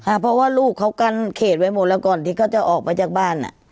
เพราะว่าลูกเขากั้นเขตไว้หมดแล้วก่อนที่เขาจะออกไปจากบ้านอ่ะ